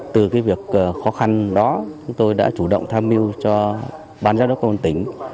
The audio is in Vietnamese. từ việc khó khăn đó chúng tôi đã chủ động tham mưu cho ban giáo đốc công an tỉnh